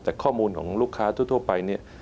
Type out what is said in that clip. แต่ข้อมูลของลูกค้าทั่วไป